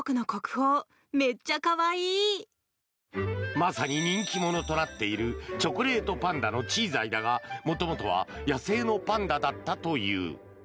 まさに人気者となっているチョコレートパンダのチーザイだが元々は野生のパンダだったという。